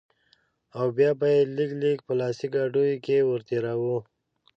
او بيا به يې لږ لږ په لاسي ګاډيو کښې ورتېراوه.